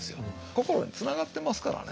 心につながってますからね。